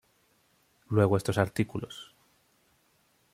Luego estos Arts.